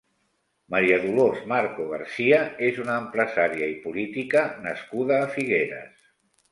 Maria Dolors Marco García és una empresària i política nascuda a Figueres.